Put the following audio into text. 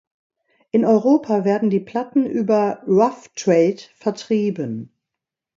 In Europa werden die Platten über Rough Trade vertrieben.